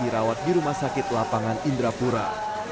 dirawat di rumah sakit lapangan indrapura